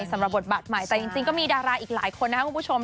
สำหรับบทบาทใหม่แต่จริงก็มีดาราอีกหลายคนนะครับคุณผู้ชม